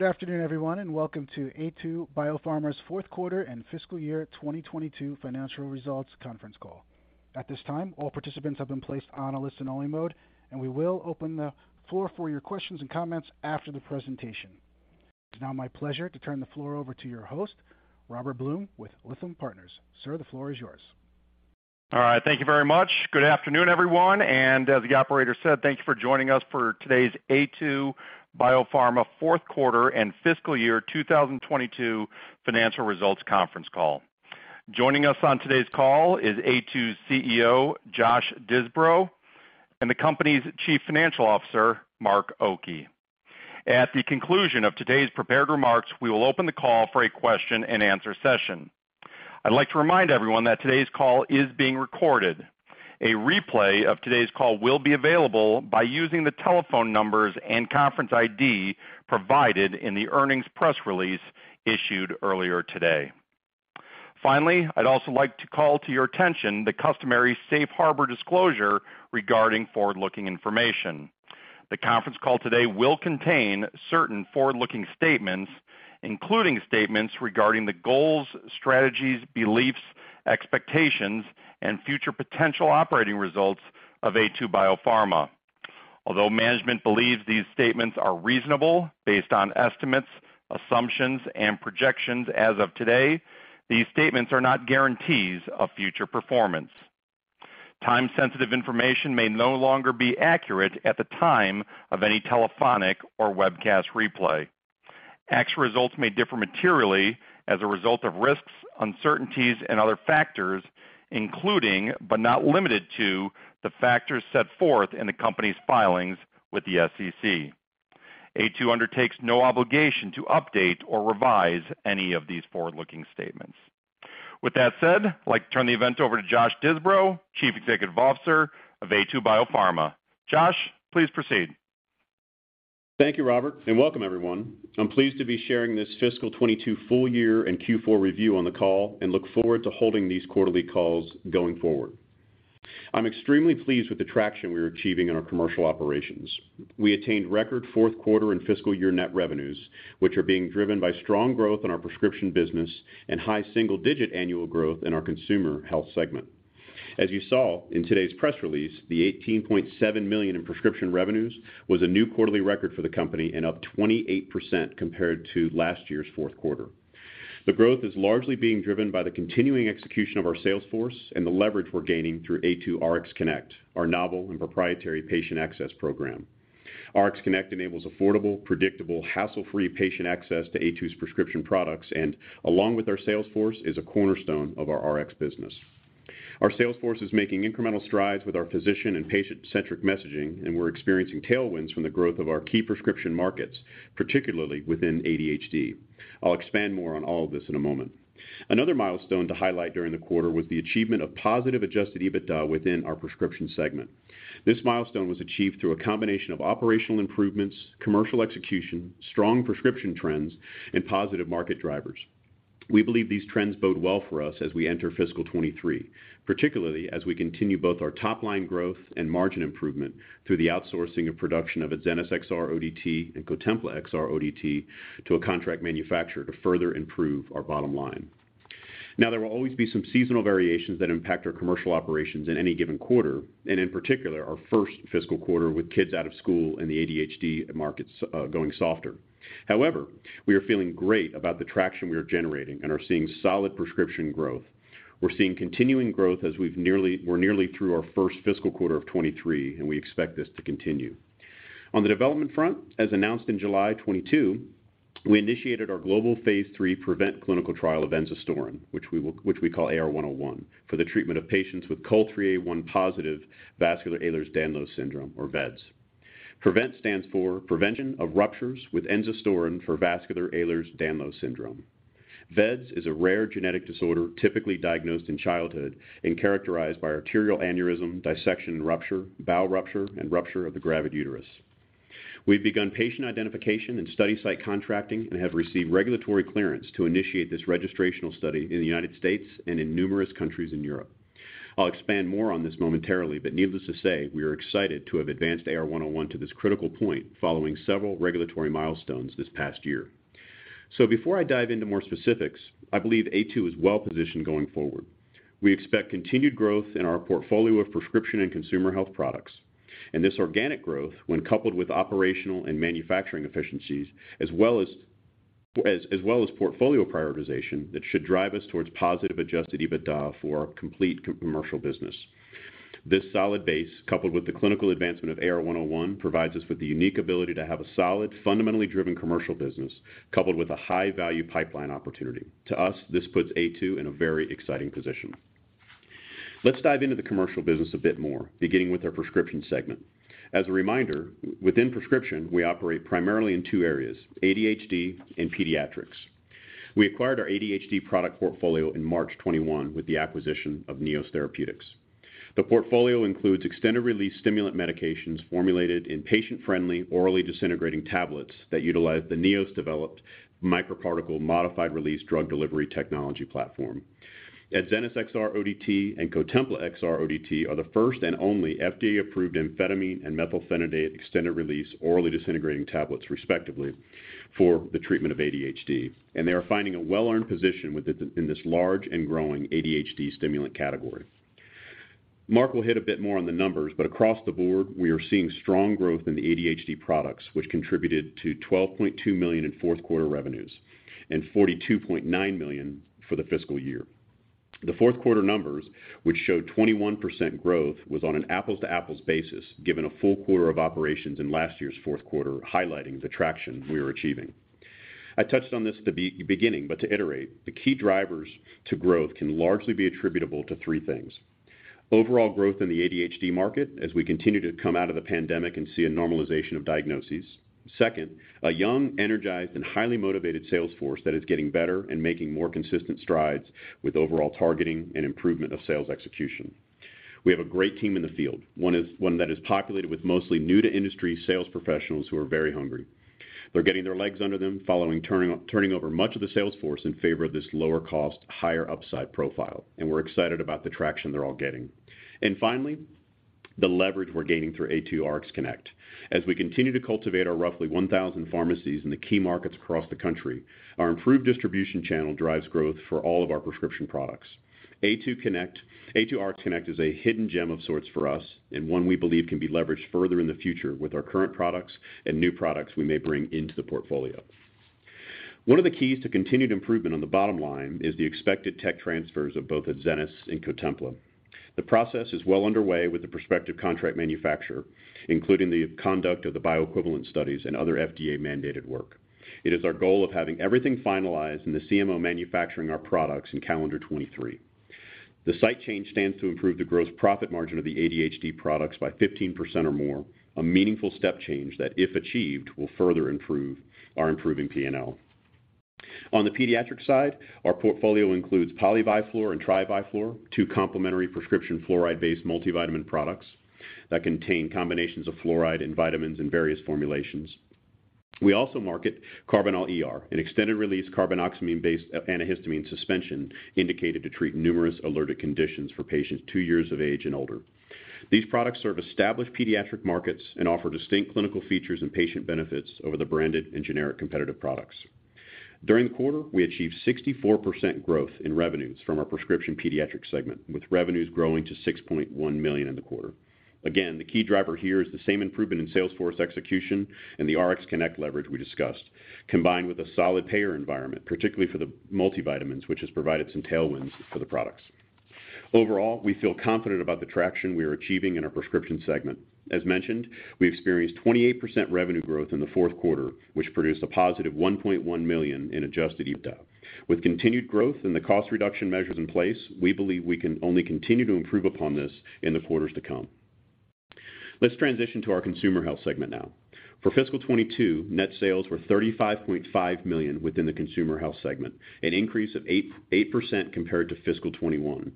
Good afternoon, everyone, and welcome to Aytu BioPharma's fourth quarter and fiscal year 2022 financial results conference call. At this time, all participants have been placed on a listen-only mode, and we will open the floor for your questions and comments after the presentation. It's now my pleasure to turn the floor over to your host, Robert Blum with Lytham Partners. Sir, the floor is yours. All right. Thank you very much. Good afternoon, everyone, and as the operator said, thank you for joining us for today's Aytu BioPharma fourth quarter and fiscal year 2022 financial results conference call. Joining us on today's call is Aytu's CEO, Josh Disbrow, and the company's Chief Financial Officer, Mark Oki. At the conclusion of today's prepared remarks, we will open the call for a question-and-answer session. I'd like to remind everyone that today's call is being recorded. A replay of today's call will be available by using the telephone numbers and conference ID provided in the earnings press release issued earlier today. Finally, I'd also like to call to your attention the customary safe harbor disclosure regarding forward-looking information. The conference call today will contain certain forward-looking statements, including statements regarding the goals, strategies, beliefs, expectations, and future potential operating results of Aytu BioPharma. Although management believes these statements are reasonable, based on estimates, assumptions, and projections as of today, these statements are not guarantees of future performance. Time-sensitive information may no longer be accurate at the time of any telephonic or webcast replay. Actual results may differ materially as a result of risks, uncertainties, and other factors, including, but not limited to, the factors set forth in the company's filings with the SEC. Aytu undertakes no obligation to update or revise any of these forward-looking statements. With that said, I'd like to turn the event over to Josh Disbrow, Chief Executive Officer of Aytu BioPharma. Josh, please proceed. Thank you, Robert, and welcome everyone. I'm pleased to be sharing this fiscal 2022 full year and Q4 review on the call and look forward to holding these quarterly calls going forward. I'm extremely pleased with the traction we're achieving in our commercial operations. We attained record fourth quarter and fiscal year net revenues, which are being driven by strong growth in our prescription business and high single-digit annual growth in our consumer health segment. As you saw in today's press release, the $18.7 million in prescription revenues was a new quarterly record for the company and up 28% compared to last year's fourth quarter. The growth is largely being driven by the continuing execution of our sales force and the leverage we're gaining through Aytu RxConnect, our novel and proprietary patient access program. RxConnect enables affordable, predictable, hassle-free patient access to Aytu's prescription products and along with our sales force, is a cornerstone of our Rx business. Our sales force is making incremental strides with our physician and patient-centric messaging, and we're experiencing tailwinds from the growth of our key prescription markets, particularly within ADHD. I'll expand more on all of this in a moment. Another milestone to highlight during the quarter was the achievement of positive adjusted EBITDA within our prescription segment. This milestone was achieved through a combination of operational improvements, commercial execution, strong prescription trends, and positive market drivers. We believe these trends bode well for us as we enter fiscal 2023, particularly as we continue both our top-line growth and margin improvement through the outsourcing of production of Adzenys XR-ODT and Cotempla XR-ODT to a contract manufacturer to further improve our bottom line. Now, there will always be some seasonal variations that impact our commercial operations in any given quarter, and in particular, our first fiscal quarter with kids out of school and the ADHD markets going softer. However, we are feeling great about the traction we are generating and are seeing solid prescription growth. We're seeing continuing growth as we're nearly through our first fiscal quarter of 2023, and we expect this to continue. On the development front, as announced in July 2022, we initiated our global phase III PREVEnt clinical trial of enzastaurin, which we call AR101, for the treatment of patients with COL3A1-positive vascular Ehlers-Danlos syndrome or vEDS. PREVEnt stands for Prevention of Ruptures with Enzastaurin for Vascular Ehlers-Danlos Syndrome. vEDS is a rare genetic disorder typically diagnosed in childhood and characterized by arterial aneurysm, dissection and rupture, bowel rupture, and rupture of the gravid uterus. We've begun patient identification and study site contracting and have received regulatory clearance to initiate this registrational study in the United States and in numerous countries in Europe. I'll expand more on this momentarily, but needless to say, we are excited to have advanced AR101 to this critical point following several regulatory milestones this past year. Before I dive into more specifics, I believe Aytu is well positioned going forward. We expect continued growth in our portfolio of prescription and consumer health products, and this organic growth, when coupled with operational and manufacturing efficiencies as well as portfolio prioritization, that should drive us towards positive adjusted EBITDA for our complete commercial business. This solid base, coupled with the clinical advancement of AR101, provides us with the unique ability to have a solid, fundamentally driven commercial business coupled with a high-value pipeline opportunity. To us, this puts Aytu in a very exciting position. Let's dive into the commercial business a bit more, beginning with our prescription segment. As a reminder, within prescription, we operate primarily in two areas, ADHD and pediatrics. We acquired our ADHD product portfolio in March 2021 with the acquisition of Neos Therapeutics. The portfolio includes extended-release stimulant medications formulated in patient-friendly, orally disintegrating tablets that utilize the Neos-developed microparticle modified release drug delivery technology platform. Adzenys XR-ODT and Cotempla XR-ODT are the first and only FDA-approved amphetamine and methylphenidate extended-release orally disintegrating tablets, respectively, for the treatment of ADHD, and they are finding a well-earned position in this large and growing ADHD stimulant category. Mark will hit a bit more on the numbers, but across the board, we are seeing strong growth in the ADHD products, which contributed to $12.2 million in fourth quarter revenues and $42.9 million for the fiscal year. The fourth quarter numbers, which showed 21% growth, was on an apples-to-apples basis, given a full quarter of operations in last year's fourth quarter, highlighting the traction we are achieving. I touched on this at the beginning, but to iterate, the key drivers to growth can largely be attributable to three things. Overall growth in the ADHD market as we continue to come out of the pandemic and see a normalization of diagnoses. Second, a young, energized, and highly motivated sales force that is getting better and making more consistent strides with overall targeting and improvement of sales execution. We have a great team in the field, one that is populated with mostly new-to-industry sales professionals who are very hungry. They're getting their legs under them, following turning over much of the sales force in favor of this lower cost, higher upside profile, and we're excited about the traction they're all getting. Finally, the leverage we're gaining through Aytu RxConnect. As we continue to cultivate our roughly 1,000 pharmacies in the key markets across the country, our improved distribution channel drives growth for all of our prescription products. Aytu RxConnect is a hidden gem of sorts for us and one we believe can be leveraged further in the future with our current products and new products we may bring into the portfolio. One of the keys to continued improvement on the bottom line is the expected tech transfers of both Adzenys and Cotempla. The process is well underway with the prospective contract manufacturer, including the conduct of the bioequivalent studies and other FDA-mandated work. It is our goal of having everything finalized and the CMO manufacturing our products in calendar 2023. The site change stands to improve the gross profit margin of the ADHD products by 15% or more, a meaningful step change that, if achieved, will further improve our improving P&L. On the pediatric side, our portfolio includes Poly-Vi-Flor and Tri-Vi-Flor, two complementary prescription fluoride-based multivitamin products that contain combinations of fluoride and vitamins in various formulations. We also market Karbinal ER, an extended-release carbinoxamine-based antihistamine suspension indicated to treat numerous allergic conditions for patients two years of age and older. These products serve established pediatric markets and offer distinct clinical features and patient benefits over the branded and generic competitive products. During the quarter, we achieved 64% growth in revenues from our prescription pediatric segment, with revenues growing to $6.1 million in the quarter. Again, the key driver here is the same improvement in sales force execution and the RxConnect leverage we discussed, combined with a solid payer environment, particularly for the multivitamins, which has provided some tailwinds for the products. Overall, we feel confident about the traction we are achieving in our prescription segment. As mentioned, we experienced 28% revenue growth in the fourth quarter, which produced a +$1.1 million in adjusted EBITDA. With continued growth and the cost reduction measures in place, we believe we can only continue to improve upon this in the quarters to come. Let's transition to our consumer health segment now. For fiscal 2022, net sales were $35.5 million within the consumer health segment, an increase of 8% compared to fiscal 2021.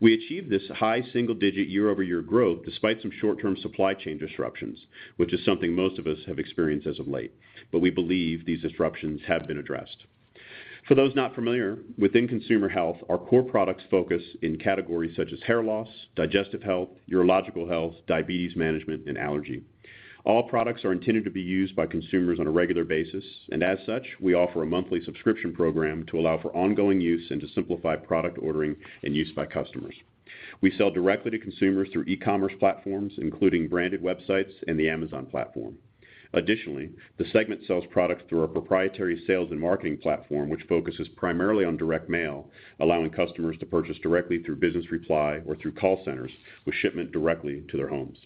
We achieved this high single-digit year-over-year growth despite some short-term supply chain disruptions, which is something most of us have experienced as of late, but we believe these disruptions have been addressed. For those not familiar, within consumer health, our core products focus in categories such as hair loss, digestive health, urological health, diabetes management, and allergy. All products are intended to be used by consumers on a regular basis, and as such, we offer a monthly subscription program to allow for ongoing use and to simplify product ordering and use by customers. We sell directly to consumers through e-commerce platforms, including branded websites and the Amazon platform. Additionally, the segment sells products through our proprietary sales and marketing platform, which focuses primarily on direct mail, allowing customers to purchase directly through business reply or through call centers with shipment directly to their homes.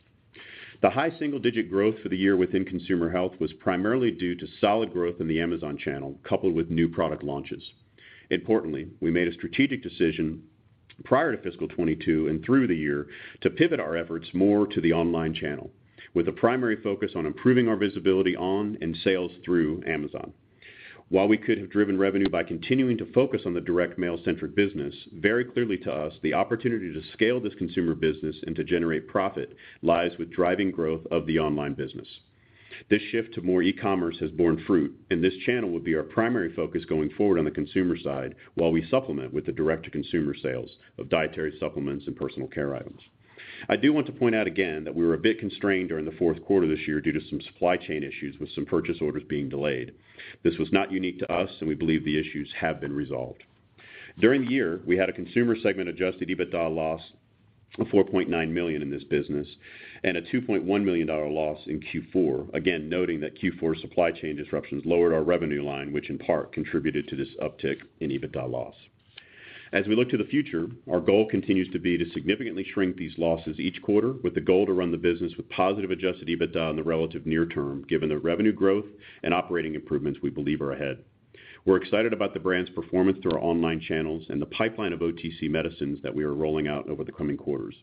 The high single-digit growth for the year within consumer health was primarily due to solid growth in the Amazon channel, coupled with new product launches. Importantly, we made a strategic decision prior to fiscal 2022 and through the year to pivot our efforts more to the online channel, with a primary focus on improving our visibility on and sales through Amazon. While we could have driven revenue by continuing to focus on the direct mail-centric business, very clearly to us, the opportunity to scale this consumer business and to generate profit lies with driving growth of the online business. This shift to more e-commerce has borne fruit, and this channel will be our primary focus going forward on the consumer side while we supplement with the direct-to-consumer sales of dietary supplements and personal care items. I do want to point out again that we were a bit constrained during the fourth quarter this year due to some supply chain issues with some purchase orders being delayed. This was not unique to us, and we believe the issues have been resolved. During the year, we had a consumer segment adjusted EBITDA loss of $4.9 million in this business and a $2.1 million loss in Q4, again noting that Q4 supply chain disruptions lowered our revenue line, which in part contributed to this uptick in EBITDA loss. As we look to the future, our goal continues to be to significantly shrink these losses each quarter with the goal to run the business with positive adjusted EBITDA in the relative near term, given the revenue growth and operating improvements we believe are ahead. We're excited about the brand's performance through our online channels and the pipeline of OTC medicines that we are rolling out over the coming quarters.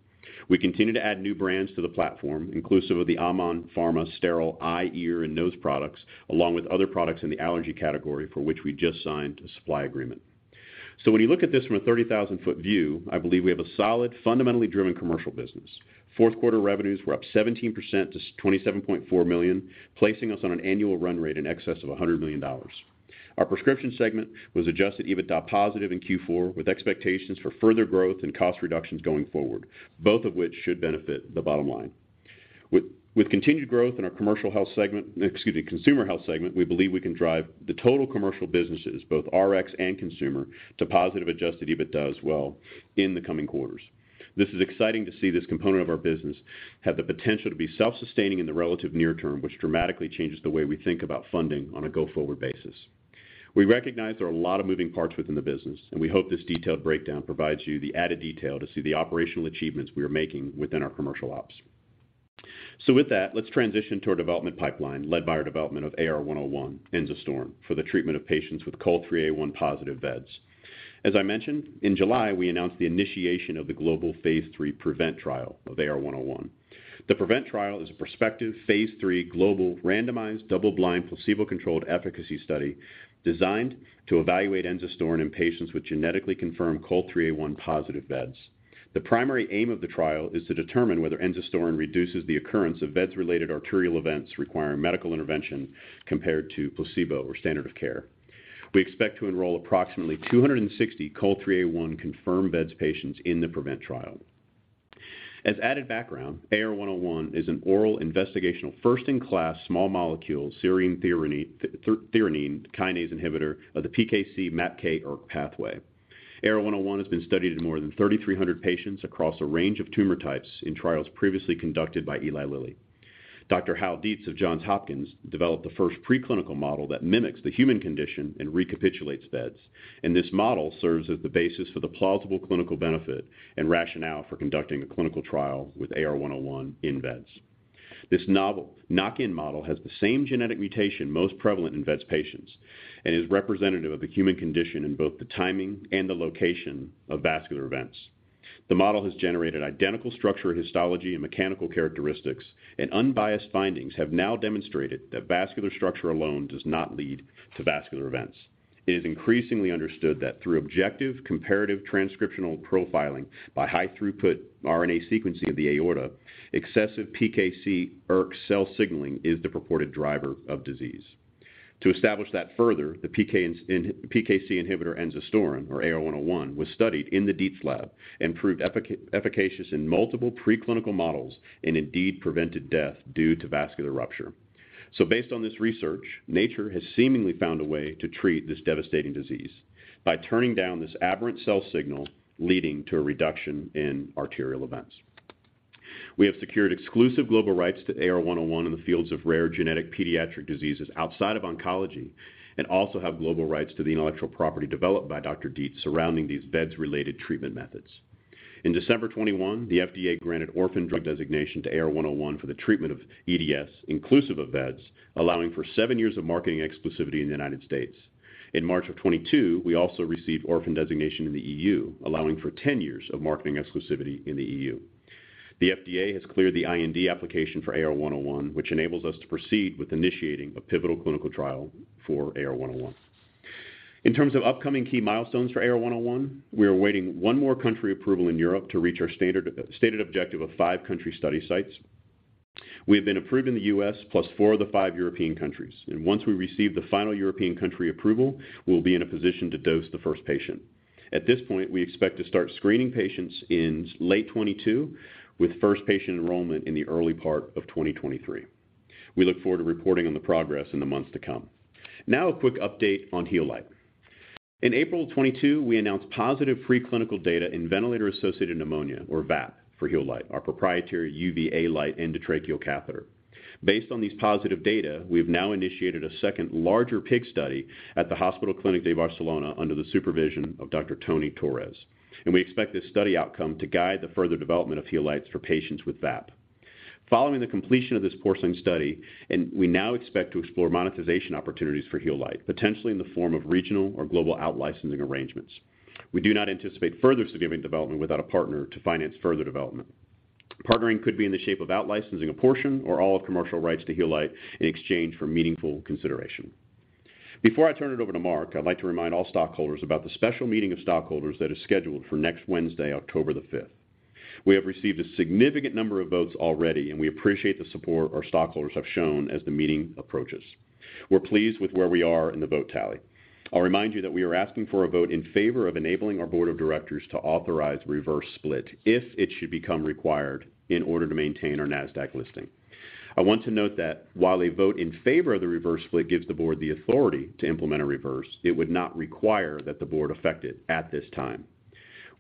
We continue to add new brands to the platform, inclusive of the Amon Pharma sterile eye, ear, and nose products, along with other products in the allergy category for which we just signed a supply agreement. When you look at this from a 30,000-foot view, I believe we have a solid, fundamentally driven commercial business. Fourth quarter revenues were up 17% to $27.4 million, placing us on an annual run rate in excess of $100 million. Our prescription segment was adjusted EBITDA positive in Q4 with expectations for further growth and cost reductions going forward, both of which should benefit the bottom line. With continued growth in our commercial health segment, excuse me, consumer health segment, we believe we can drive the total commercial businesses, both RX and consumer, to positive adjusted EBITDA as well in the coming quarters. This is exciting to see this component of our business have the potential to be self-sustaining in the relative near term, which dramatically changes the way we think about funding on a go-forward basis. We recognize there are a lot of moving parts within the business, and we hope this detailed breakdown provides you the added detail to see the operational achievements we are making within our commercial ops. With that, let's transition to our development pipeline, led by our development of AR101, enzastaurin, for the treatment of patients with COL3A1-positive vEDS. As I mentioned, in July, we announced the initiation of the global phase III PREVEnt trial of AR101. The PREVEnt trial is a prospective phase III global randomized double-blind placebo-controlled efficacy study designed to evaluate enzastaurin in patients with genetically confirmed COL3A1-positive vEDS. The primary aim of the trial is to determine whether enzastaurin reduces the occurrence of vEDS-related arterial events requiring medical intervention compared to placebo or standard of care. We expect to enroll approximately 260 COL3A1-confirmed vEDS patients in the PREVEnt trial. As added background, AR101 is an oral investigational first-in-class small molecule serine threonine kinase inhibitor of the PKC-MAPK-ERK pathway. AR101 has been studied in more than 3,300 patients across a range of tumor types in trials previously conducted by Eli Lilly. Dr. Hal Dietz of Johns Hopkins developed the first preclinical model that mimics the human condition and recapitulates vEDS, and this model serves as the basis for the plausible clinical benefit and rationale for conducting a clinical trial with AR101 in vEDS. This novel knock-in model has the same genetic mutation most prevalent in vEDS patients and is representative of the human condition in both the timing and the location of vascular events. The model has generated identical structure and histology and mechanical characteristics, and unbiased findings have now demonstrated that vascular structure alone does not lead to vascular events. It is increasingly understood that through objective comparative transcriptional profiling by high-throughput RNA sequencing of the aorta, excessive PKC-ERK cell signaling is the purported driver of disease. To establish that further, the PKC inhibitor enzastaurin, or AR101, was studied in the Dietz lab and proved efficacious in multiple preclinical models and indeed prevented death due to vascular rupture. Based on this research, nature has seemingly found a way to treat this devastating disease by turning down this aberrant cell signal leading to a reduction in arterial events. We have secured exclusive global rights to AR101 in the fields of rare genetic pediatric diseases outside of oncology and also have global rights to the intellectual property developed by Dr. Hal Dietz surrounding these VEDS-related treatment methods. In December 2021, the FDA granted orphan drug designation to AR101 for the treatment of EDS, inclusive of VEDS, allowing for seven years of marketing exclusivity in the United States. In March of 2022, we also received orphan designation in the EU, allowing for 10 years of marketing exclusivity in the EU. The FDA has cleared the IND application for AR101, which enables us to proceed with initiating a pivotal clinical trial for AR101. In terms of upcoming key milestones for AR101, we are awaiting one more country approval in Europe to reach our stated objective of five country study sites. We have been approved in the U.S., plus four of the five European countries, and once we receive the final European country approval, we will be in a position to dose the first patient. At this point, we expect to start screening patients in late 2022 with first patient enrollment in the early part of 2023. We look forward to reporting on the progress in the months to come. Now a quick update on Healight. In April 2022, we announced positive preclinical data in ventilator-associated pneumonia, or VAP, for Healight, our proprietary UVA light endotracheal catheter. Based on these positive data, we have now initiated a second larger pig study at the Hospital Clínic de Barcelona under the supervision of Dr. Antonio Torres, and we expect this study outcome to guide the further development of Healight for patients with VAP. Following the completion of this porcine study, we now expect to explore monetization opportunities for Healight, potentially in the form of regional or global out-licensing arrangements. We do not anticipate further significant development without a partner to finance further development. Partnering could be in the shape of out-licensing a portion or all of commercial rights to Healight in exchange for meaningful consideration. Before I turn it over to Mark, I'd like to remind all stockholders about the special meeting of stockholders that is scheduled for next Wednesday, October the 5th. We have received a significant number of votes already, and we appreciate the support our stockholders have shown as the meeting approaches. We're pleased with where we are in the vote tally. I'll remind you that we are asking for a vote in favor of enabling our board of directors to authorize reverse split if it should become required in order to maintain our Nasdaq listing. I want to note that while a vote in favor of the reverse split gives the board the authority to implement a reverse, it would not require that the board effect it at this time.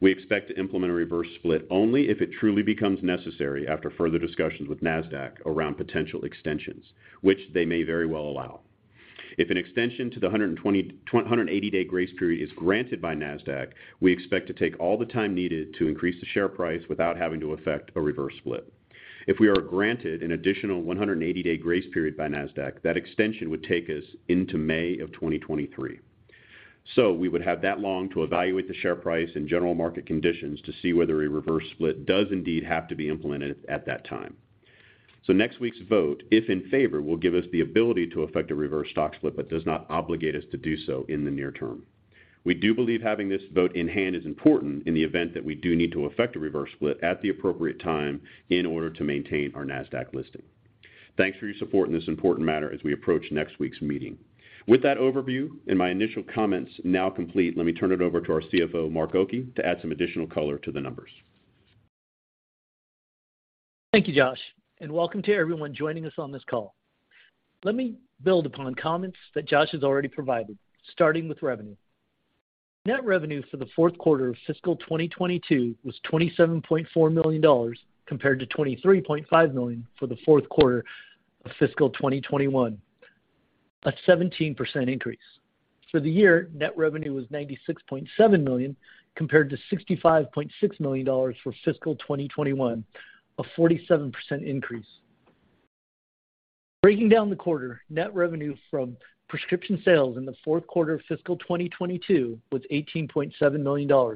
We expect to implement a reverse split only if it truly becomes necessary after further discussions with Nasdaq around potential extensions, which they may very well allow. If an extension to the 120-180-day grace period is granted by Nasdaq, we expect to take all the time needed to increase the share price without having to effect a reverse split. If we are granted an additional 180-day grace period by Nasdaq, that extension would take us into May 2023. We would have that long to evaluate the share price and general market conditions to see whether a reverse split does indeed have to be implemented at that time. Next week's vote, if in favor, will give us the ability to effect a reverse stock split but does not obligate us to do so in the near term. We do believe having this vote in hand is important in the event that we do need to effect a reverse split at the appropriate time in order to maintain our Nasdaq listing. Thanks for your support in this important matter as we approach next week's meeting. With that overview and my initial comments now complete, let me turn it over to our CFO, Mark Oki, to add some additional color to the numbers. Thank you, Josh, and welcome to everyone joining us on this call. Let me build upon comments that Josh has already provided, starting with revenue. Net revenue for the fourth quarter of fiscal 2022 was $27.4 million compared to $23.5 million for the fourth quarter of fiscal 2021. A 17% increase. For the year, net revenue was $96.7 million, compared to $65.6 million for fiscal 2021. A 47% increase. Breaking down the quarter, net revenue from prescription sales in the fourth quarter of fiscal 2022 was $18.7 million,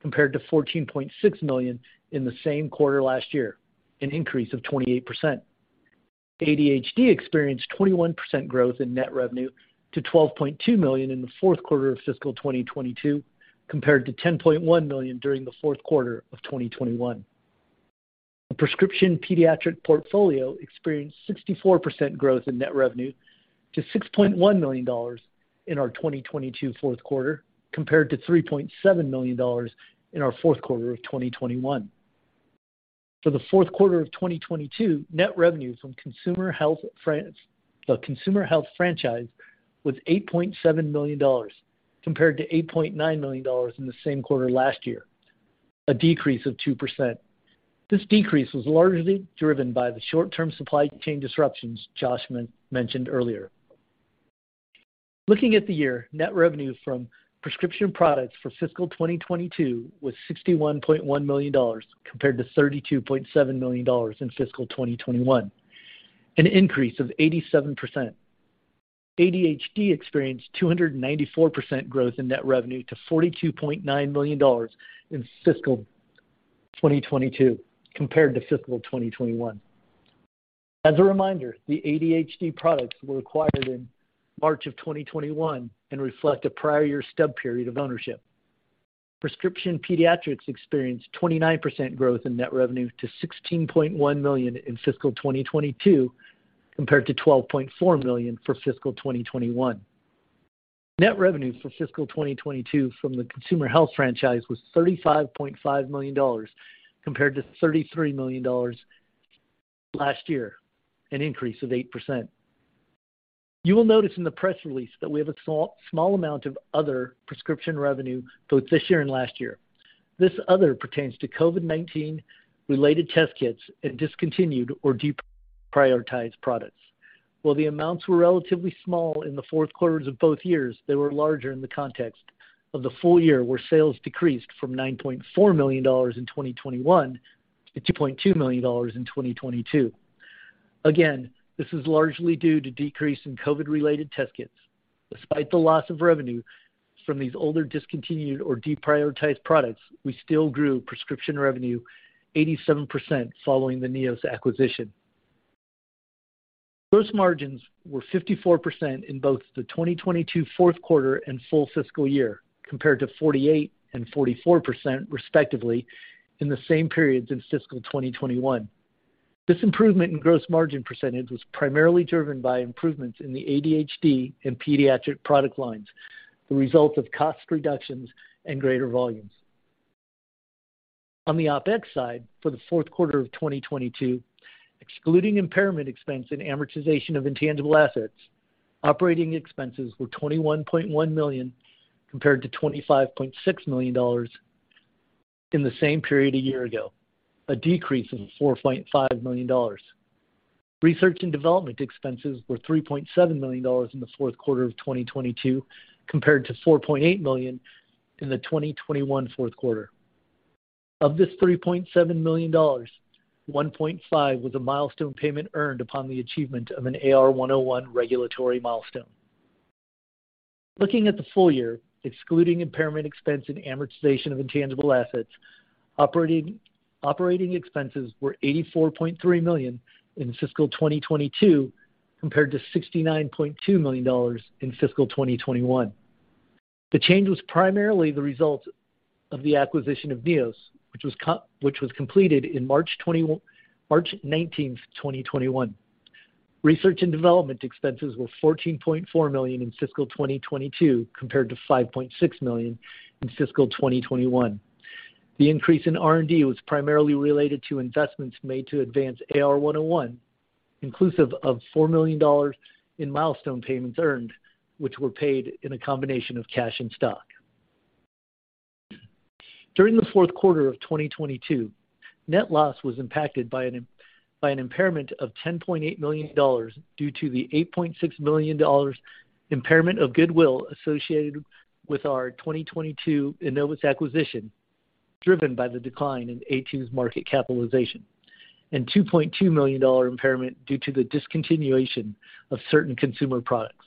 compared to $14.6 million in the same quarter last year, an increase of 28%. ADHD experienced 21% growth in net revenue to $12.2 million in the fourth quarter of fiscal 2022, compared to $10.1 million during the fourth quarter of 2021. The prescription pediatric portfolio experienced 64% growth in net revenue to $6.1 million in our 2022 fourth quarter, compared to $3.7 million in our fourth quarter of 2021. For the fourth quarter of 2022, net revenue from the consumer health franchise was $8.7 million, compared to $8.9 million in the same quarter last year, a decrease of 2%. This decrease was largely driven by the short-term supply chain disruptions Josh mentioned earlier. Looking at the year, net revenue from prescription products for fiscal 2022 was $61.1 million, compared to $32.7 million in fiscal 2021. An increase of 87%. ADHD experienced 294% growth in net revenue to $42.9 million in fiscal 2022 compared to fiscal 2021. As a reminder, the ADHD products were acquired in March of 2021 and reflect a prior year stub period of ownership. Prescription pediatrics experienced 29% growth in net revenue to $16.1 million in fiscal 2022 compared to $12.4 million for fiscal 2021. Net revenue for fiscal 2022 from the consumer health franchise was $35.5 million, compared to $33 million last year, an increase of 8%. You will notice in the press release that we have a small amount of other prescription revenue both this year and last year. This other pertains to COVID-19 related test kits and discontinued or deprioritized products. While the amounts were relatively small in the fourth quarters of both years, they were larger in the context of the full year, where sales decreased from $9.4 million in 2021 to $2.2 million in 2022. Again, this is largely due to decrease in COVID-related test kits. Despite the loss of revenue from these older, discontinued or deprioritized products, we still grew prescription revenue 87% following the Neos acquisition. Gross margins were 54% in both the 2022 fourth quarter and full fiscal year, compared to 48% and 44% respectively in the same periods in fiscal 2021. This improvement in gross margin percentage was primarily driven by improvements in the ADHD and pediatric product lines, the result of cost reductions and greater volumes. On the OpEx side, for the fourth quarter of 2022, excluding impairment expense and amortization of intangible assets, operating expenses were $21.1 million compared to $25.6 million in the same period a year ago, a decrease of $4.5 million. Research and development expenses were $3.7 million in the fourth quarter of 2022, compared to $4.8 million in the 2021 fourth quarter. Of this $3.7 million, $1.5 million was a milestone payment earned upon the achievement of an AR101 regulatory milestone. Looking at the full year, excluding impairment expense and amortization of intangible assets, operating expenses were $84.3 million in fiscal 2022 compared to $69.2 million in fiscal 2021. The change was primarily the result of the acquisition of Neos, which was completed in March 19, 2021. Research and development expenses were $14.4 million in fiscal 2022 compared to $5.6 million in fiscal 2021. The increase in R&D was primarily related to investments made to advance AR101, inclusive of $4 million in milestone payments earned, which were paid in a combination of cash and stock. During the fourth quarter of 2022, net loss was impacted by an impairment of $10.8 million due to the $8.6 million impairment of goodwill associated with our 2022 Innovus acquisition, driven by the decline in Aytu's market capitalization and $2.2 million dollars impairment due to the discontinuation of certain consumer products.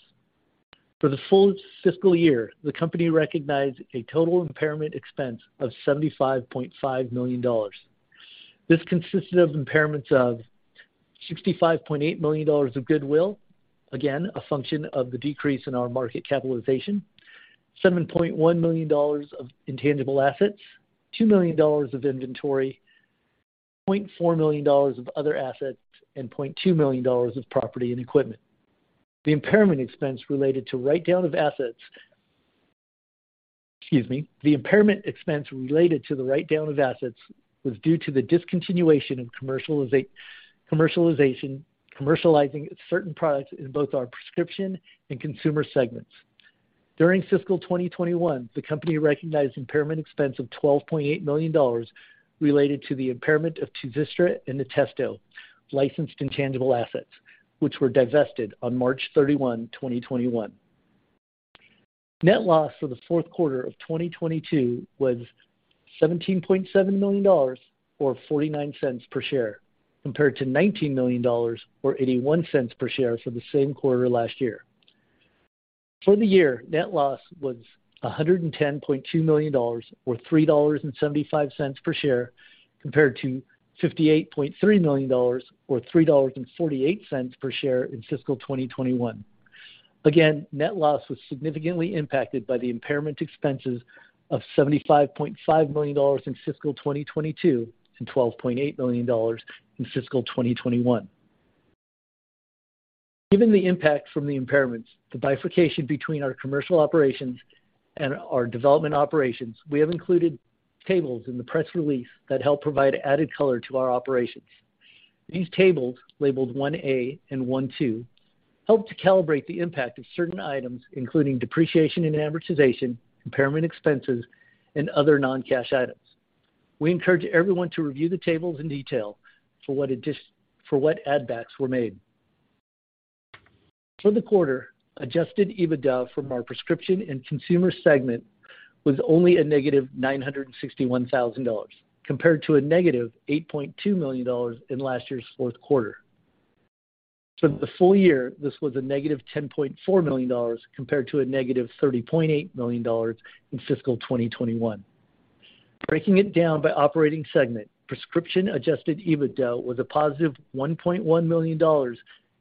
For the full fiscal year, the company recognized a total impairment expense of $75.5 million. This consisted of impairments of $65.8 million of goodwill. Again, a function of the decrease in our market capitalization. $7.1 million of intangible assets, $2 million of inventory, $0.4 million of other assets, and $0.2 million of property and equipment. The impairment expense related to write-down of assets. The impairment expense related to the write-down of assets was due to the discontinuation of commercializing certain products in both our prescription and consumer segments. During fiscal 2021, the company recognized impairment expense of $12.8 million related to the impairment of Tuzistra and Natesto licensed intangible assets, which were divested on March 31, 2021. Net loss for the fourth quarter of 2022 was $17.7 million or $0.49 per share, compared to $19 million or $0.81 per share for the same quarter last year. For the year, net loss was $110.2 million or $3.75 per share, compared to $58.3 million or $3.48 per share in fiscal 2021. Net loss was significantly impacted by the impairment expenses of $75.5 million in fiscal 2022 and $12.8 million in fiscal 2021. Given the impact from the impairments, the bifurcation between our commercial operations and our development operations, we have included tables in the press release that help provide added color to our operations. These tables, labeled 1A and 12, help to calibrate the impact of certain items, including depreciation and amortization, impairment expenses, and other non-cash items. We encourage everyone to review the tables in detail for what add backs were made. For the quarter, Adjusted EBITDA from our prescription and consumer segment was only -$961,000, compared to -$8.2 million in last year's fourth quarter. For the full year, this was a -$10.4 million, compared to a -$30.8 million in fiscal 2021. Breaking it down by operating segment, prescription adjusted EBITDA was a +$1.1 million,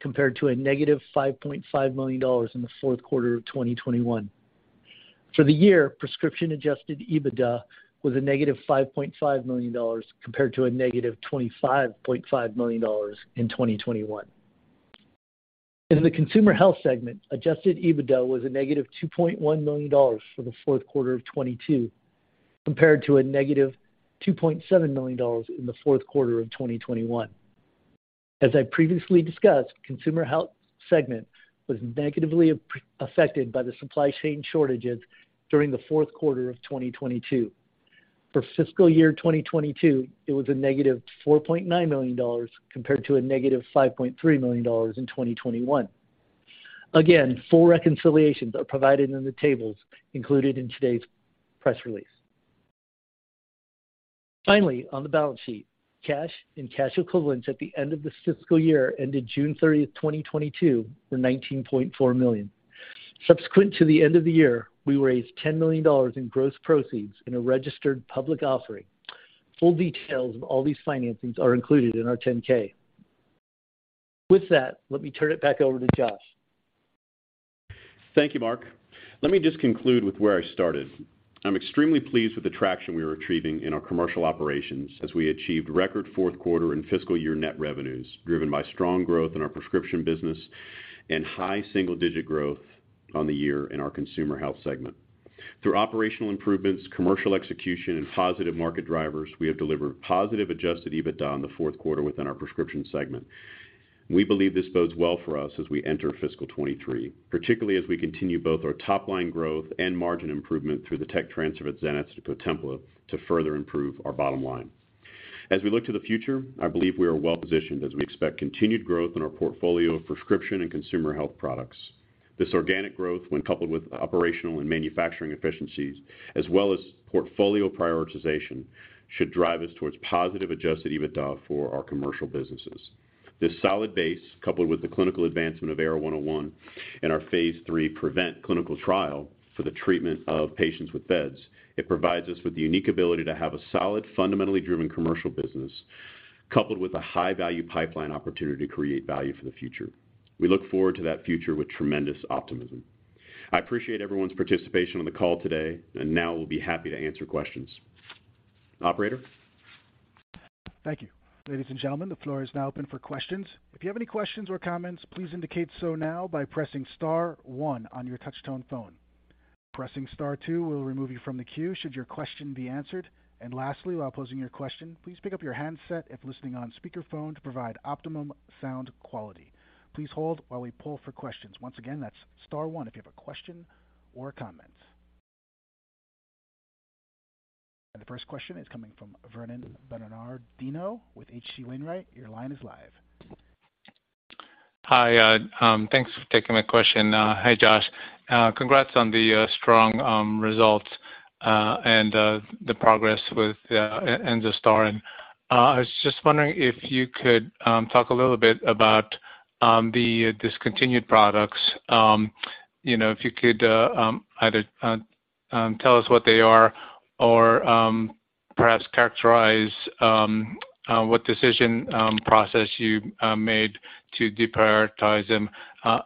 compared to a -$5.5 million in the fourth quarter of 2021. For the year, prescription adjusted EBITDA was a -$5.5 million, compared to a -$25.5 million in 2021. In the consumer health segment, adjusted EBITDA was a -$2.1 million for the fourth quarter of 2022, compared to a -$2.7 million in the fourth quarter of 2021. As I previously discussed, consumer health segment was negatively affected by the supply chain shortages during the fourth quarter of 2022. For fiscal year 2022, it was -$4.9 million, compared to -$5.3 million in 2021. Again, full reconciliations are provided in the tables included in today's press release. Finally, on the balance sheet, cash and cash equivalents at the end of the fiscal year ended June 30, 2022 were $19.4 million. Subsequent to the end of the year, we raised $10 million in gross proceeds in a registered public offering. Full details of all these financings are included in our 10-K. With that, let me turn it back over to Josh. Thank you, Mark. Let me just conclude with where I started. I'm extremely pleased with the traction we are achieving in our commercial operations as we achieved record fourth quarter and fiscal year net revenues, driven by strong growth in our prescription business and high single-digit growth on the year in our consumer health segment. Through operational improvements, commercial execution, and positive market drivers, we have delivered positive adjusted EBITDA in the fourth quarter within our prescription segment. We believe this bodes well for us as we enter fiscal 2023, particularly as we continue both our top-line growth and margin improvement through the tech transfer of Adzenys to Cotempla to further improve our bottom line. As we look to the future, I believe we are well-positioned as we expect continued growth in our portfolio of prescription and consumer health products. This organic growth, when coupled with operational and manufacturing efficiencies as well as portfolio prioritization, should drive us towards positive adjusted EBITDA for our commercial businesses. This solid base, coupled with the clinical advancement of AR101 and our phase III PREVEnt clinical trial for the treatment of patients with vEDS, it provides us with the unique ability to have a solid, fundamentally driven commercial business coupled with a high-value pipeline opportunity to create value for the future. We look forward to that future with tremendous optimism. I appreciate everyone's participation on the call today, and now we'll be happy to answer questions. Operator? Thank you. Ladies and gentlemen, the floor is now open for questions. If you have any questions or comments, please indicate so now by pressing star one on your touchtone phone. Pressing star two will remove you from the queue should your question be answered. Lastly, while posing your question, please pick up your handset if listening on speakerphone to provide optimum sound quality. Please hold while we poll for questions. Once again, that's star one if you have a question or a comment. The first question is coming from Vernon Bernardino with H.C. Wainwright. Your line is live. Hi, thanks for taking my question. Hi, Josh. Congrats on the strong results and the progress with enzastaurin. I was just wondering if you could talk a little bit about the discontinued products. You know, if you could either tell us what they are or perhaps characterize what decision process you made to deprioritize them,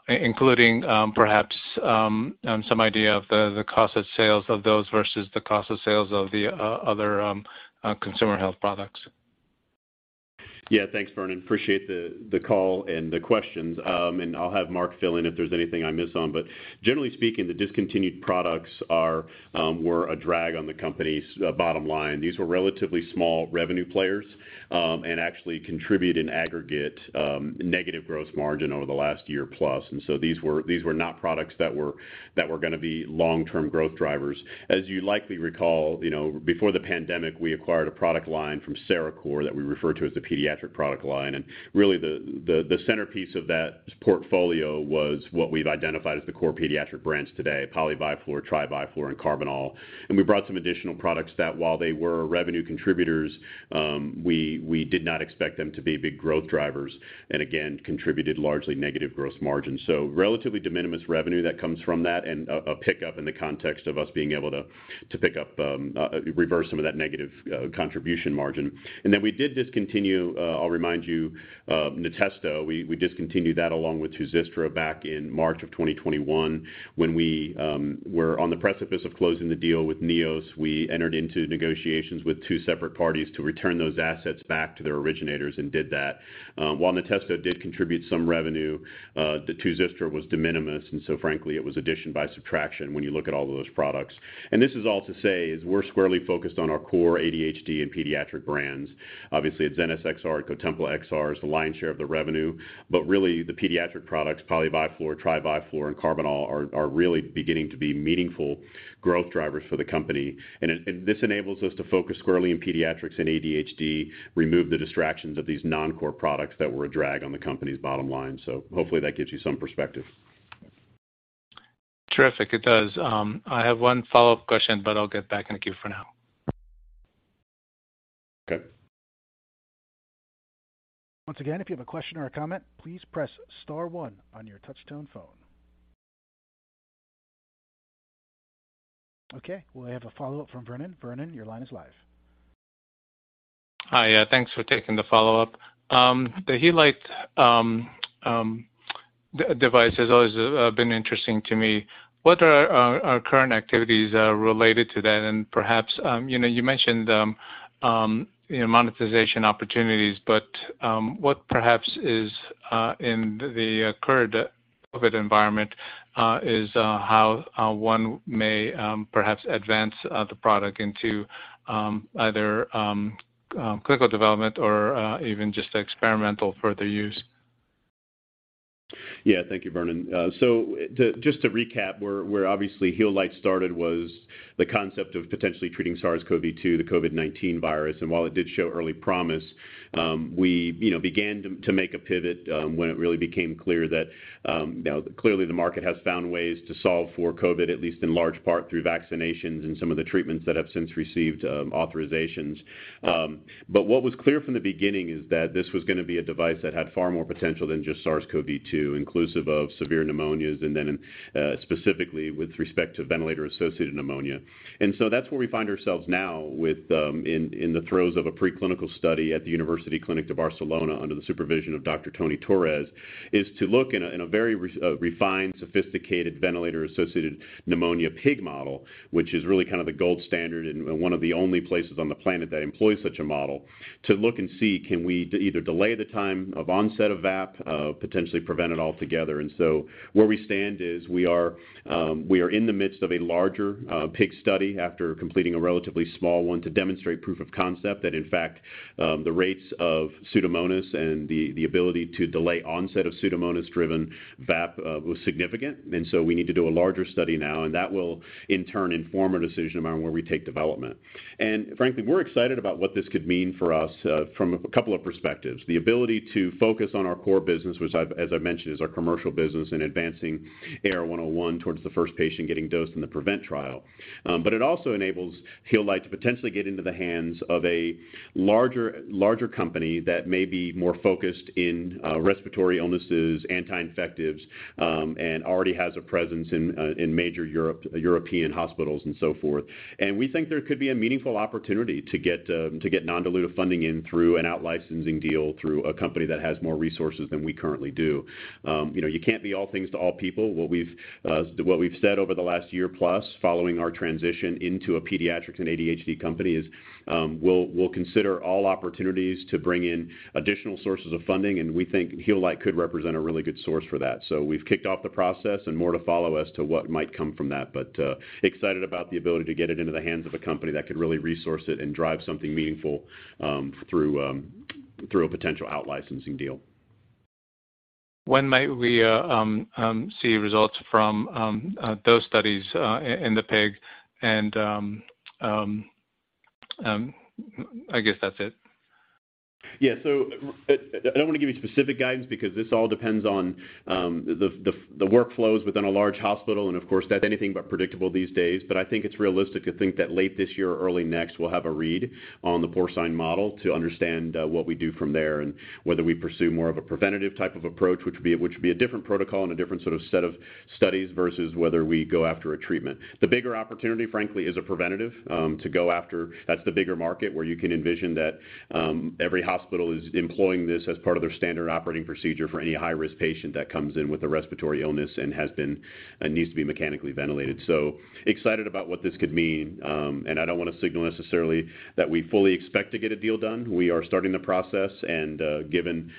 including perhaps some idea of the cost of sales of those versus the cost of sales of the other consumer health products. Yeah. Thanks, Vernon. Appreciate the call and the questions. I'll have Mark fill in if there's anything I miss. Generally speaking, the discontinued products were a drag on the company's bottom line. These were relatively small revenue players, and actually contribute in aggregate negative gross margin over the last year plus. These were not products that were gonna be long-term growth drivers. As you likely recall, you know, before the pandemic, we acquired a product line from Cerecor that we refer to as the pediatric product line. Really the centerpiece of that portfolio was what we've identified as the core pediatric brands today, Poly-Vi-Flor, Tri-Vi-Flor, and Karbinal ER. We brought some additional products that while they were revenue contributors, we did not expect them to be big growth drivers, and again, contributed largely negative gross margin. Relatively de minimis revenue that comes from that and a pickup in the context of us being able to pick up reverse some of that negative contribution margin. We did discontinue, I'll remind you, Natesto. We discontinued that along with Tuzistra back in March of 2021. When we were on the precipice of closing the deal with Neos, we entered into negotiations with two separate parties to return those assets back to their originators and did that. While Natesto did contribute some revenue, the Tuzistra was de minimis, and so frankly it was addition by subtraction when you look at all of those products. This is all to say we're squarely focused on our core ADHD and pediatric brands. Obviously, it's Adzenys XR-ODT and Cotempla XR-ODT is the lion's share of the revenue. Really the pediatric products, Poly-Vi-Flor, Tri-Vi-Flor, and Karbinal ER are really beginning to be meaningful growth drivers for the company. This enables us to focus squarely in pediatrics and ADHD, remove the distractions of these non-core products that were a drag on the company's bottom line. Hopefully that gives you some perspective. Terrific. It does. I have one follow-up question, but I'll get back in the queue for now. Okay. Once again, if you have a question or a comment, please press star one on your touchtone phone. Okay, we'll have a follow-up from Vernon. Vernon, your line is live. Hi. Yeah, thanks for taking the follow-up. The Healight device has always been interesting to me. What are our current activities related to that? Perhaps, you know, you mentioned, you know, monetization opportunities, but what perhaps is in the current COVID environment is how one may perhaps advance the product into either clinical development or even just experimental further use. Yeah. Thank you, Vernon. Just to recap, where obviously Healight started was the concept of potentially treating SARS-CoV-2, the COVID-19 virus. While it did show early promise, we began to make a pivot when it really became clear that clearly the market has found ways to solve for COVID, at least in large part through vaccinations and some of the treatments that have since received authorizations. What was clear from the beginning is that this was gonna be a device that had far more potential than just SARS-CoV-2, inclusive of severe pneumonias and then specifically with respect to ventilator-associated pneumonia. That's where we find ourselves now within the throes of a preclinical study at the Hospital Clínic de Barcelona under the supervision of Dr. Antonio Torres is to look in a very refined, sophisticated ventilator-associated pneumonia pig model, which is really kind of the gold standard and one of the only places on the planet that employs such a model to look and see, can we either delay the time of onset of VAP, potentially prevent it altogether. Where we stand is we are in the midst of a larger pig study after completing a relatively small one to demonstrate proof of concept that in fact the rates of Pseudomonas and the ability to delay onset of Pseudomonas-driven VAP was significant. We need to do a larger study now, and that will in turn inform a decision about where we take development. Frankly, we're excited about what this could mean for us from a couple of perspectives. The ability to focus on our core business, which I've, as I mentioned, is our commercial business in advancing AR101 towards the first patient getting dosed in the PREVEnt trial. It also enables Healight to potentially get into the hands of a larger company that may be more focused in respiratory illnesses, anti-infectives, and already has a presence in major European hospitals and so forth. We think there could be a meaningful opportunity to get non-dilutive funding in through an out-licensing deal through a company that has more resources than we currently do. You know, you can't be all things to all people. What we've said over the last year plus following our transition into a pediatrics and ADHD company is, we'll consider all opportunities to bring in additional sources of funding, and we think Healight could represent a really good source for that. We've kicked off the process and more to follow as to what might come from that. Excited about the ability to get it into the hands of a company that could really resource it and drive something meaningful through a potential out-licensing deal. When might we see results from those studies in the pig? I guess that's it. Yeah. I don't wanna give you specific guidance because this all depends on the workflows within a large hospital, and of course, that's anything but predictable these days. I think it's realistic to think that late this year or early next, we'll have a read on the porcine model to understand what we do from there and whether we pursue more of a preventative type of approach, which would be a different protocol and a different sort of set of studies versus whether we go after a treatment. The bigger opportunity, frankly, is a preventative to go after. That's the bigger market where you can envision that every hospital is employing this as part of their standard operating procedure for any high-risk patient that comes in with a respiratory illness and needs to be mechanically ventilated. Excited about what this could mean, and I don't wanna signal necessarily that we fully expect to get a deal done. We are starting the process and, given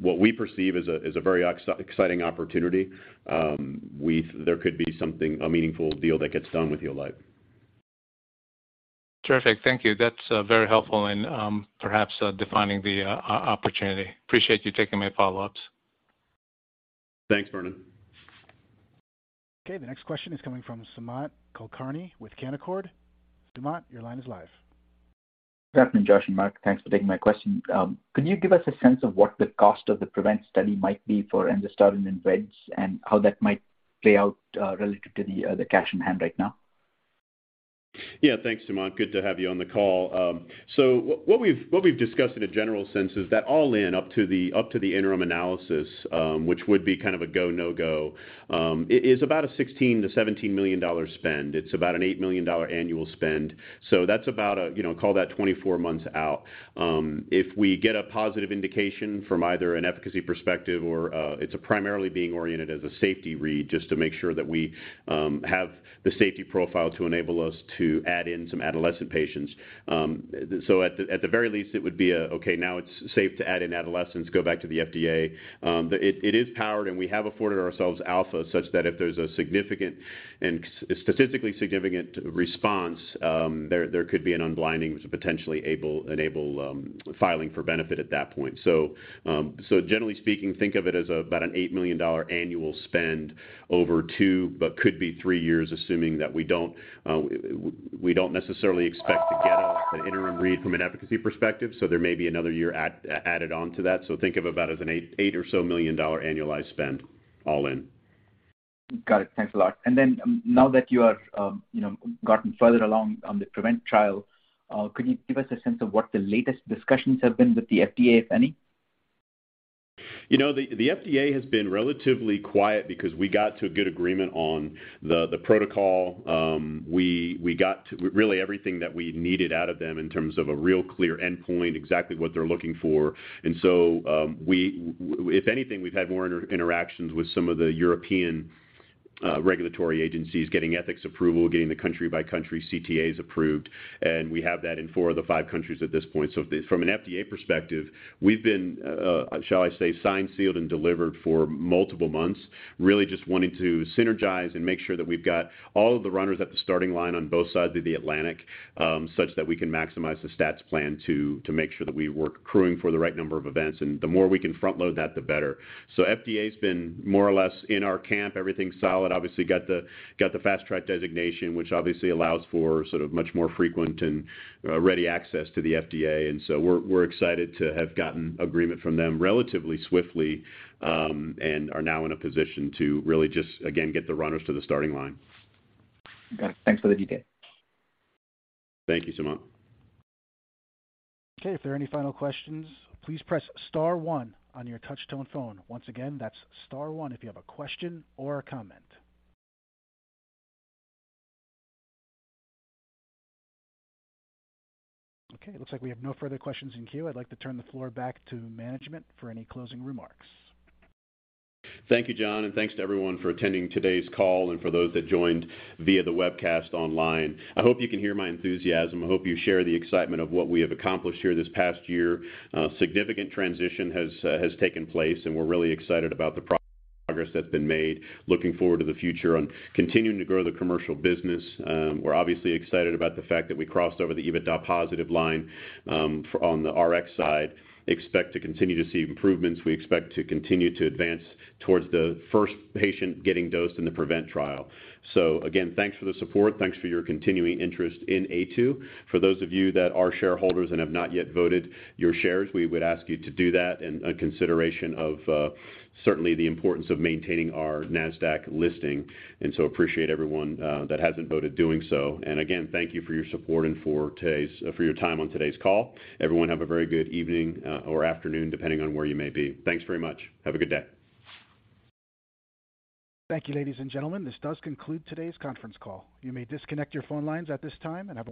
what we perceive as a very exciting opportunity, there could be something, a meaningful deal that gets done with Eli. Terrific. Thank you. That's very helpful in perhaps defining the opportunity. Appreciate you taking my follow-ups. Thanks, Vernon. Okay, the next question is coming from Sumant Kulkarni with Canaccord. Sumant, your line is live. Good afternoon, Josh and Mark. Thanks for taking my question. Could you give us a sense of what the cost of the PREVEnt study might be for enzastaurin in vEDS and how that might play out, relative to the cash on hand right now? Yeah. Thanks, Sumant. Good to have you on the call. What we've discussed in a general sense is that all in up to the interim analysis, which would be kind of a go, no-go, is about a $16-$17 million spend. It's about an $8 million annual spend. That's about a, you know, call that 24 months out. If we get a positive indication from either an efficacy perspective or, it's primarily being oriented as a safety read, just to make sure that we have the safety profile to enable us to add in some adolescent patients. At the very least, it would be okay, now it's safe to add in adolescents, go back to the FDA. It is powered, and we have afforded ourselves alpha such that if there's a significant and statistically significant response, there could be an unblinding, which potentially enable filing for benefit at that point. Generally speaking, think of it as about an $8 million annual spend over two, but could be three years, assuming that we don't necessarily expect to get an interim read from an efficacy perspective, so there may be another year added on to that. Think of about as an $8 or so million annualized spend all in. Got it. Thanks a lot. Now that you are, you know, gotten further along on the PREVEnt trial, could you give us a sense of what the latest discussions have been with the FDA, if any? You know, the FDA has been relatively quiet because we got to a good agreement on the protocol. We got to really everything that we needed out of them in terms of a real clear endpoint, exactly what they're looking for. If anything, we've had more interactions with some of the European regulatory agencies getting ethics approval, getting the country by country CTAs approved, and we have that in four of the five countries at this point. From an FDA perspective, we've been, shall I say, signed, sealed, and delivered for multiple months. Really just wanting to synergize and make sure that we've got all of the runners at the starting line on both sides of the Atlantic, such that we can maximize the study plan to make sure that we were screening for the right number of events, and the more we can front load that, the better. FDA's been more or less in our camp. Everything's solid. Obviously got the fast track designation, which obviously allows for sort of much more frequent and ready access to the FDA. We're excited to have gotten agreement from them relatively swiftly, and are now in a position to really just again get the runners to the starting line. Got it. Thanks for the detail. Thank you, Sumant. Okay. If there are any final questions, please press star one on your touch tone phone. Once again, that's star one if you have a question or a comment. Okay, looks like we have no further questions in queue. I'd like to turn the floor back to management for any closing remarks. Thank you, John, and thanks to everyone for attending today's call and for those that joined via the webcast online. I hope you can hear my enthusiasm. I hope you share the excitement of what we have accomplished here this past year. A significant transition has taken place, and we're really excited about the progress that's been made. Looking forward to the future on continuing to grow the commercial business. We're obviously excited about the fact that we crossed over the EBITDA positive line, for the Rx side. Expect to continue to see improvements. We expect to continue to advance towards the first patient getting dosed in the PREVEnt trial. Again, thanks for the support. Thanks for your continuing interest in Aytu. For those of you that are shareholders and have not yet voted your shares, we would ask you to do that in consideration of certainly the importance of maintaining our Nasdaq listing, and so appreciate everyone that hasn't voted doing so. Again, thank you for your support and for your time on today's call. Everyone have a very good evening or afternoon, depending on where you may be. Thanks very much. Have a good day. Thank you, ladies and gentlemen. This does conclude today's conference call. You may disconnect your phone lines at this time, and have a great day.